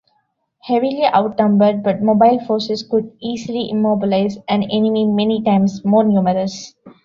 Heavily outnumbered but mobile forces could easily immobilize an enemy many times more numerous.